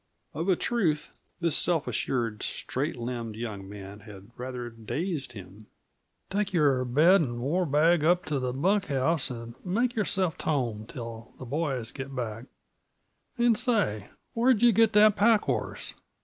Of a truth, this self assured, straight limbed young man had rather dazed him. "Take your bed and war bag up to the bunk house and make yourself t' home till the boys get back, and say, where'd yuh git that pack horse?"